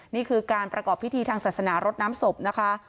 นี่คือการประกอบพิธีทางศาสนารดน้ำศพนะคะ